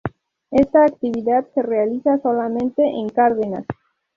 Esta actividad se realiza solamente en Cárdenas.